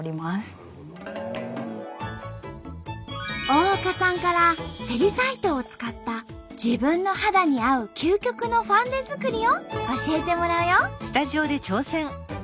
大岡さんからセリサイトを使った自分の肌に合う究極のファンデ作りを教えてもらうよ！